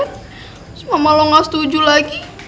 terus mama lo gak setuju lagi